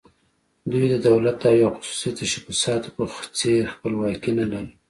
دوی د دولت او یا خصوصي تشبثاتو په څېر خپلواکي نه لري.